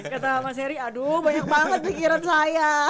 kata mas heri aduh banyak banget pikiran saya